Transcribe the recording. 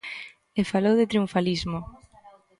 E falou de triunfalismo.